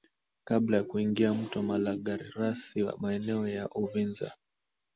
kabla ya kuingia mto Malagarasi maeneo ya Uvinza